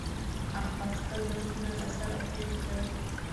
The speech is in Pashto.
احمد خپل درسونه له سره پیل کړل.